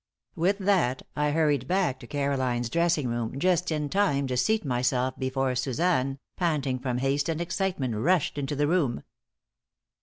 With that I hurried back to Caroline's dressing room just in time to seat myself before Suzanne, panting from haste and excitement, rushed into the room.